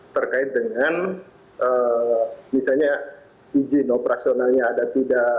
terkait dengan misalnya izin operasionalnya ada tidak